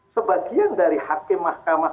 sebagian dari hakim mahkamah